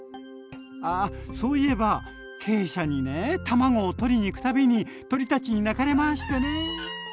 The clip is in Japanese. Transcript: あそういえば鶏舎にね卵を取りに行くたびに鶏たちに鳴かれましてね。